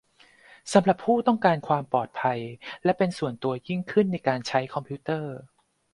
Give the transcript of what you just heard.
สำหรับผู้ต้องการความปลอดภัยและเป็นส่วนตัวยิ่งขึ้นในการใช้คอมพิวเตอร์